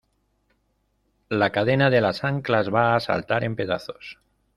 la cadena de las anclas va a saltar en pedazos.